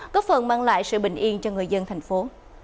góp phần mang lại sự bình yên cho người dân thành phố